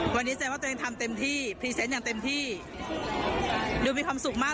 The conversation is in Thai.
ดูมีความสุขมากเลยนะเป็นฮานุมาที่มีความสุขมาก